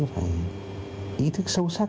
phải ý thức sâu sắc